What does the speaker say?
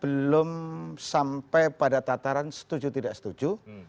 belum sampai pada tataran setuju tidak setuju